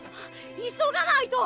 急がないと！